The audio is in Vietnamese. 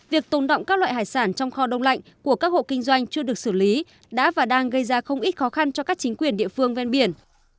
việc tồn động các loại hải sản trong kho đông lạnh của các hộ kinh doanh chưa được xử lý đã và đang gây ra không ít khó khăn cho các chính quyền địa phương ven biển